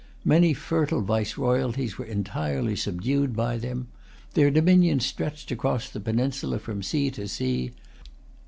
Many fertile viceroyalties were entirely subdued by them. Their dominions stretched across the peninsula from sea to sea.